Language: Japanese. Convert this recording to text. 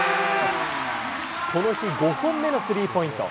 この日、５本目のスリーポイント。